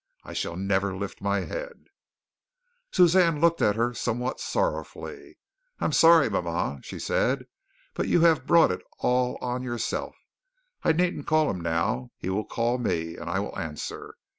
I shall never lift my head again." Suzanne looked at her somewhat sorrowfully. "I'm sorry, mama," she said, "but you have brought it all on yourself. I needn't call him now. He will call me and I will answer.